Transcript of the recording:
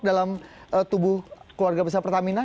dalam tubuh keluarga besar pertamina